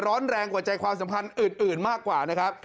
ร้อนแรงกว่าใจความสัมพันธ์อื่นมากกว่านะครับ